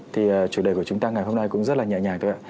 thì chủ đề của chúng ta ngày hôm nay cũng rất là nhẹ nhàng thôi ạ